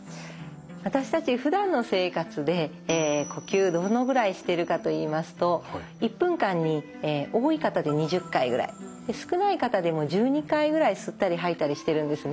私たちふだんの生活で呼吸どのぐらいしてるかといいますと１分間に多い方で２０回ぐらい少ない方でも１２回ぐらい吸ったり吐いたりしてるんですね。